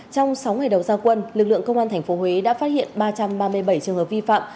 trong sáu ngày đầu gia quân lực lượng công an tp huế đã phát hiện ba trăm ba mươi bảy trường hợp vi phạm